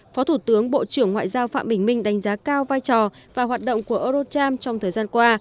phó thủ tướng bộ trưởng ngoại giao phạm bình minh đánh giá cao vai trò và hoạt động của eurocharm trong thời gian qua